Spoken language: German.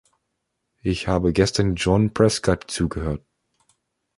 Ich habe gestern John Prescott zugehört.